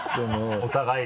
お互いに。